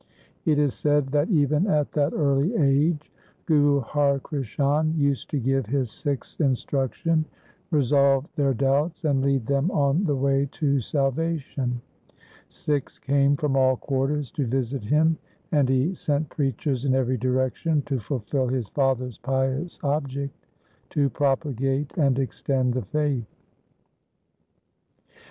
It is said that even at that early age Guru Har Krishan used to give his Sikhs instruction, resolve their doubts, and lead them on the way to salvation. Sikhs came from all quarters to visit him, and he sent preachers in every direction to fulfil his father's pious object to propagate and extend the faith.